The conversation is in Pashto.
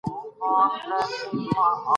که پوستکی وي نو لمس نه مري.